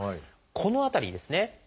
この辺りにですね